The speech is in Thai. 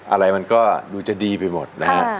อะไรมันก็ดูจะดีไปหมดนะฮะ